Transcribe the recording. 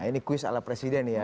nah ini quiz ala presiden ya